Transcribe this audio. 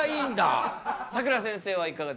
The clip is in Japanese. さくらせんせいはいかがですか？